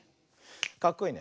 かっこいいね。